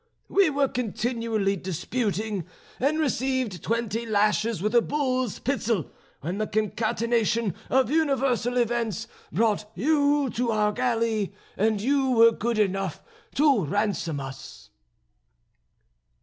We were continually disputing, and received twenty lashes with a bull's pizzle when the concatenation of universal events brought you to our galley, and you were good enough to ransom us."